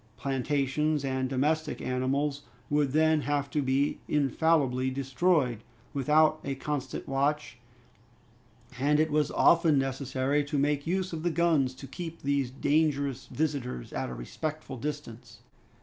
Plantations and domestic animals would then have been infallibly destroyed, without a constant watch, and it was often necessary to make use of the guns to keep those dangerous visitors at a respectful distance.